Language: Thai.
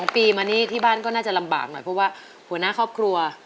ปีมานี่ที่บ้านก็น่าจะลำบากหน่อยเพราะว่าหัวหน้าครอบครัว